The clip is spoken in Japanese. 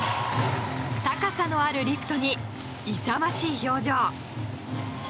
高さのあるリフトに勇ましい表情。